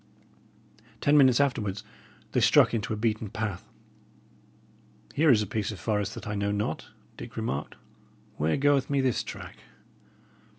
Ten minutes afterwards they struck into a beaten path. "Here is a piece of forest that I know not," Dick remarked. "Where goeth me this track?"